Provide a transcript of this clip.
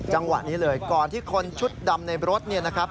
จังหวะนี้เลยก่อนที่คนชุดดำในรถเนี่ยนะครับ